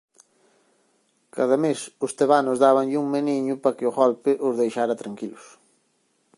Cada mes os tebanos dábanlle un meniño para que o golpe os deixara tranquilos.